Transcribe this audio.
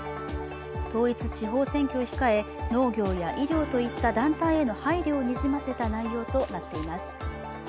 統一地方選挙を控え、農業や医療といった団体への配慮をにじませた内容となっています。